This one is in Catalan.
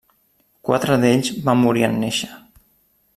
Quatre d'ells van morir en néixer.